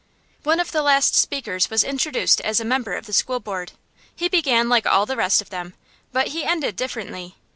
One of the last speakers was introduced as a member of the School Board. He began like all the rest of them, but he ended differently.